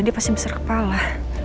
dia pasti mesra kepala